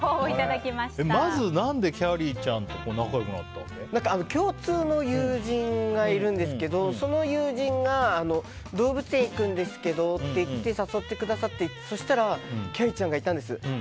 まず何できゃりーちゃんと共通の友人がいるんですけどその友人が動物園行くんですけどって誘ってくださってそしたらきゃりーちゃんがいたんです。